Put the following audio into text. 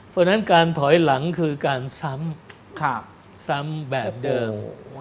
เพราะฉะนั้นการถอยหลังคือการซ้ำซ้ำแบบเดิม